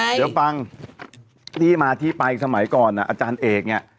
เดี๋ยวฟังที่มาที่ไปสมัยก่อนอาจารย์เอกเนี่ย